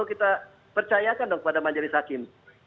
kita percayakan dong kepada majelis hakim